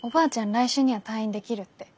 来週には退院できるって。